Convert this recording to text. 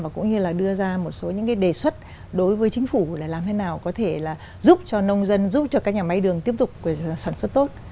và cũng như là đưa ra một số những cái đề xuất đối với chính phủ là làm thế nào có thể là giúp cho nông dân giúp cho các nhà máy đường tiếp tục sản xuất tốt